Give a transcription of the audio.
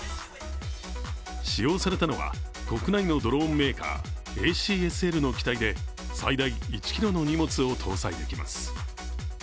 使用されたのは国内のドローンメーカー、ＡＣＳＬの機体で最大１ｋｇの荷物を搭載できます。